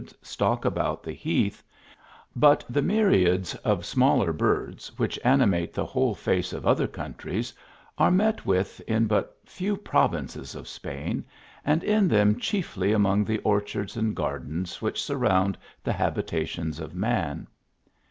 * stalk about the heaths, but the myriads of smaller birds, which animate the whole face of other countries, are met with in hut tew provinces of Spain, and in them chiefly amon;^ the orchards and gardens which sur round the habitations of man.